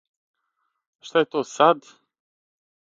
Шта је то сад?